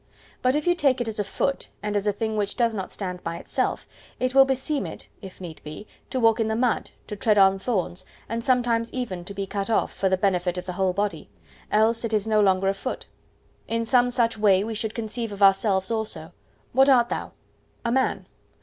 But if you take it as a foot, and as a thing which does not stand by itself, it will beseem it (if need be) to walk in the mud, to tread on thorns, and sometimes even to be cut off, for the benefit of the whole body; else it is no longer a foot. In some such way we should conceive of ourselves also. What art thou?—A man.